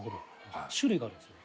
種類があるんですね？